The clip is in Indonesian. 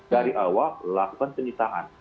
dari awal lakukan penyitaan